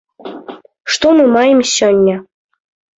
Што мы маем сёння?